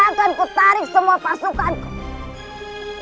akanku tarik semua pasukanku